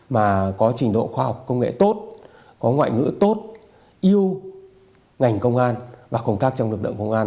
mà có trình độ khoa học công nghệ tốt có ngoại ngữ tốt yêu ngành công an và công tác trong lực lượng công an